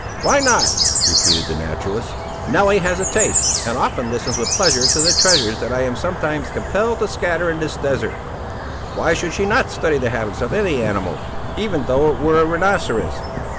why not?" repeated the naturalist; "Nelly has a taste, and often listens with pleasure to the treasures that I am sometimes compelled to scatter in this desert. Why should she not study the habits of any animal, even though it were a rhinoceros?"